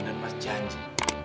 dan mas janji